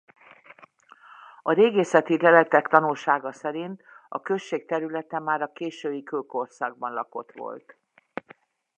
A régészeti leletek tanúsága szerint a község területe már a késői kőkorszakban lakott volt.